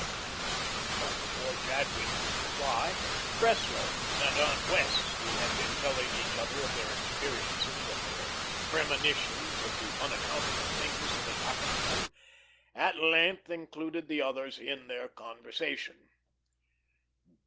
But before Jadwin could reply, Cressler and Aunt Wess' who had been telling each other of their "experiences," of their "premonitions," of the unaccountable things that had happened to them, at length included the others in their conversation.